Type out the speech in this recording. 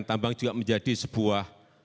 tambang juga menjadi sebuah